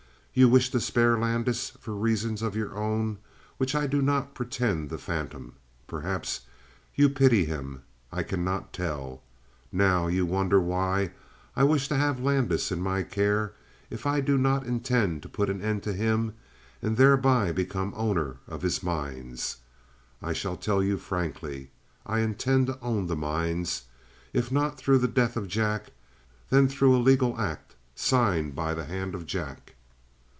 You wish to spare Landis for reasons of your own which I do not pretend to fathom. Perhaps, you pity him; I cannot tell. Now, you wonder why I wish to have Landis in my care if I do not intend to put an end to him and thereby become owner of his mines? I shall tell you frankly. I intend to own the mines, if not through the death of Jack, then through a legal act signed by the hand of Jack."